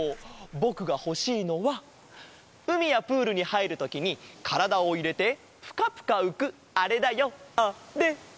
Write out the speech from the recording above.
ぼくがほしいのはうみやプールにはいるときにからだをいれてプカプカうくあれだよあれ！